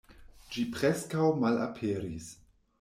Ĝi preskaŭ malaperis.